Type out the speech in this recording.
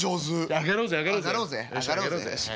上がろうぜ上がろうぜ。